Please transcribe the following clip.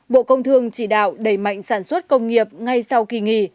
bộ công thương chỉ đạo đẩy mạnh sản xuất công nghiệp ngay sau kỳ nghỉ